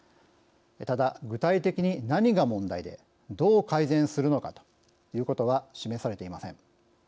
ただ具体的に何が問題でどう改善するのかということは示されていません。